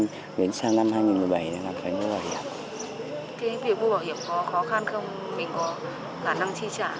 thế việc mua bảo hiểm có khó khăn không mình có khả năng chi trả bảo hiểm không